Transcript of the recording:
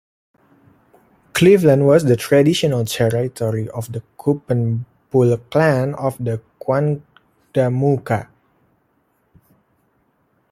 Cleveland was the traditional territory of the Koobenpul clan of the Quandamooka.